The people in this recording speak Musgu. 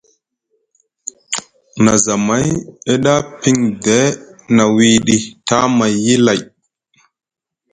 Na zamay e ɗa pin de na wiiɗi tamayyi lay.